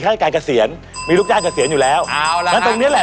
ราชการเกษียณมีลูกจ้างเกษียณอยู่แล้วเอาล่ะงั้นตรงเนี้ยแหละ